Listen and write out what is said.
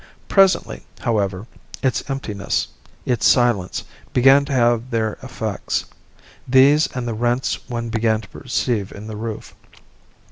Presently, however, its emptiness, its silence began to have their effects these and the rents one began to perceive in the roof.